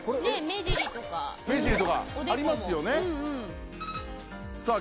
目尻とか目尻とかありますよねさあ